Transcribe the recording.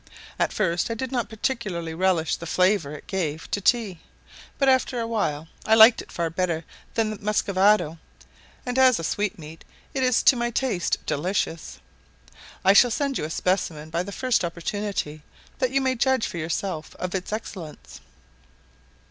At first I did not particularly relish the flavour it gave to tea, but after awhile I liked it far better than muscovado, and as a sweetmeat it is to my taste delicious. I shall send you a specimen by the first opportunity, that you may judge for yourself of its excellence.